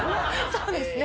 そうですね。